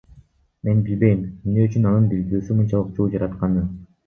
Мен билбейм эмне үчүн анын билдирүүсү мынчалык чуу жаратканын.